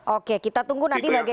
oke kita tunggu nanti bagaimana